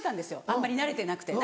あんまり慣れてなくて。